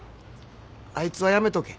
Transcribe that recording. あいつはやめとけ。